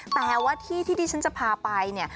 แต่ว่าที่ที่ฉันจะพาไปเนี่ย